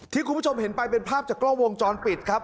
คุณผู้ชมเห็นไปเป็นภาพจากกล้องวงจรปิดครับ